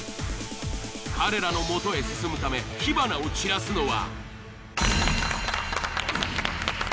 彼らのもとへ進むため火花を散らすのは。